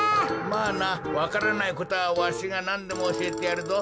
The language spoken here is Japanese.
まあなわからないことはわしがなんでもおしえてやるぞ。